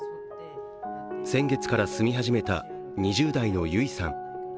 先月から住み始めた２０代のゆいさん。